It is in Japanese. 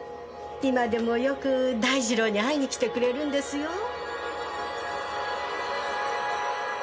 今でもよく大二郎に会いに来てくれるんですよ。